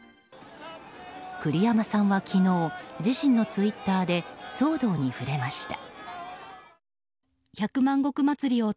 栗山さんは昨日自身のツイッターで騒動に触れました。